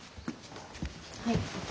はい。